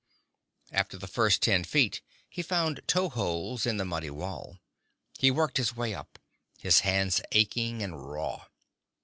After the first ten feet he found toe holds in the muddy wall. He worked his way up, his hands aching and raw.